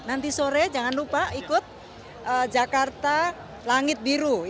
nanti sore jangan lupa ikut jakarta langit biru